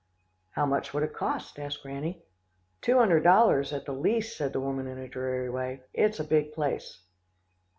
"'How much would it cost?' asked Granny. "'Two hundred dollars at the least,' said the woman in a dreary way. 'It's a big place.